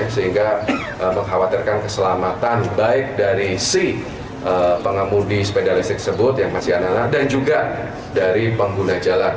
sehingga mengkhawatirkan keselamatan baik dari si pengemudi sepeda listrik tersebut yang masih anak anak dan juga dari pengguna jalan